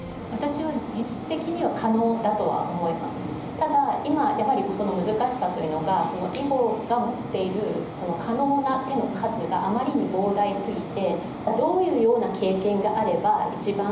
ただ今やはり難しさというのが囲碁が持っている可能な手の数があまりに膨大すぎて。